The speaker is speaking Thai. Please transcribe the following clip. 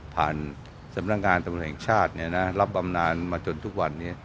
สำนักงานตำรวจแห่งชาติรับบำนานมาจนทุกวันนี้